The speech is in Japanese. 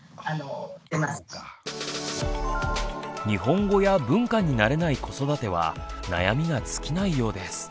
日本語や文化に慣れない子育ては悩みが尽きないようです。